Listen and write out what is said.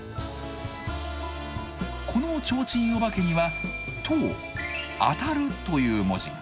この提灯お化けには「當」「当」たるという文字が。